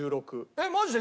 えっマジで？